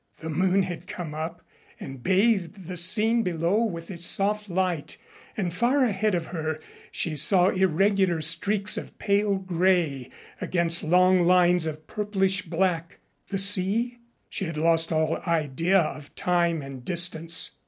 The moon had come up and bathed the scene below with its soft light, and far ahead of her she saw irregular streaks of pale gray against long lines of purplish black. The sea? She had lost all idea of time and distance.